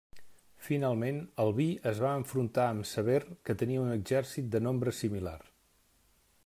Finalment, Albí es va enfrontar amb Sever, que tenia un exèrcit de nombre similar.